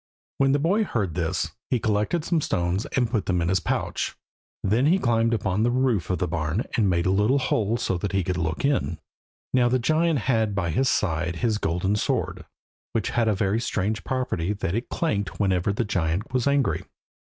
When the boy heard this he collected some stones and put them in his pouch. Then he climbed up on to the roof of the barn and made a little hole so that he could look in. Now the giant had by his side his golden sword, which had the strange property that it clanked whenever the giant was angry.